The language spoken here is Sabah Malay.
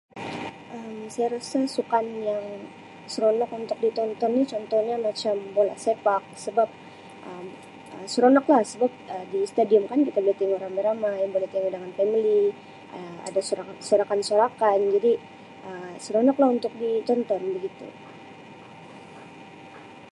Um Saya rasa sukan yang seronok untuk ditonton ni contohnya macam bola sepak sebab Um seronok lah sebab di stadium kan kira tingu ramai-ramai dan buli tingu dengan famili ada sorak-sorakan-sorakan seronok lah untuk ditonton begitu.